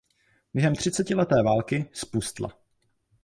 Během třicetileté války zpustla.